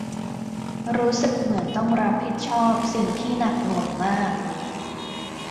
รู้สึกเหมือนต้องรับผิดชอบสิ่งที่หนักหน่วงมาก